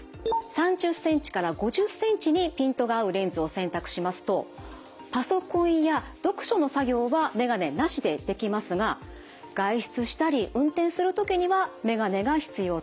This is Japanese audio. ３０ｃｍから５０ｃｍにピントが合うレンズを選択しますとパソコンや読書の作業は眼鏡なしでできますが外出したり運転する時には眼鏡が必要となります。